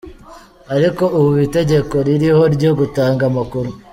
Ariko ubu itegeko ririho ryo gutanga amakuru.